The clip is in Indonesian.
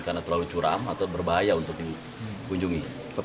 karena terlalu curam atau berbahaya untuk dikunjungi